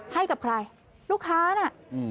ให้กับใครลูกค้าน่ะอืม